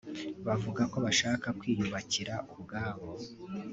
bavuga ko bashaka kwiyubakira uwabo